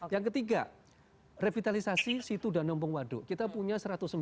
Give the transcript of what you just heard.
yang ketiga revitalisasi situdan nombong waduk kita punya satu ratus sembilan